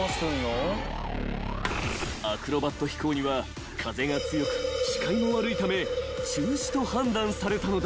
［アクロバット飛行には風が強く視界も悪いため中止と判断されたのだ］